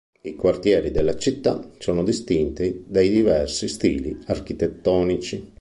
I quartieri della città sono distinti dai diversi stili architettonici.